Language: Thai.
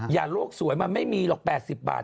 อย่าระโรคสวยมันไม่มีหรอก๘๐บาท